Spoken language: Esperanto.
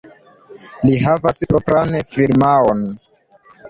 Li havas propran firmaon.